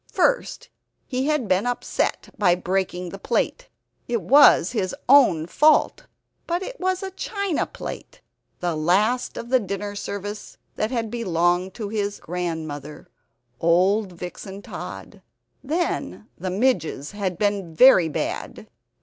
First he had been upset by breaking the plate. It was his own fault; but it was a china plate, the last of the dinner service that had belonged to his grandmother, old Vixen Tod. Then the midges had been very bad.